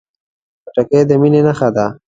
خټکی د مینې نښه ده.